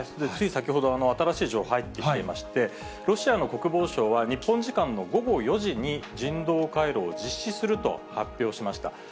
つい先ほど、新しい情報、入ってきていまして、ロシアの国防省は日本時間の午後４時に人道回廊を実施すると発表しました。